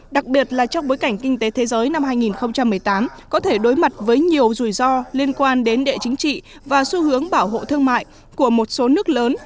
đặc biệt là trong bối cảnh kinh tế thế giới năm hai nghìn một mươi tám có thể đối mặt với nhiều rủi ro liên quan đến địa chính trị và xu hướng bảo hộ thương mại của một số nước lớn